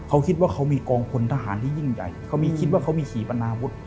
เขาคิดว่าเขามีกองพลทหารที่ยิ่งใหญ่เขามีคิดว่าเขามีขี่ปนาวุฒิ